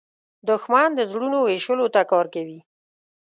دښمن د زړونو ویشلو ته کار کوي